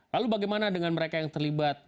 lalu bagaimana dengan mereka yang terlibat